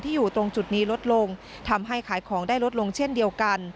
อยู่ตรงจุดนี้ลดลงทำให้ขายของได้ลดลงเช่นเดียวกัน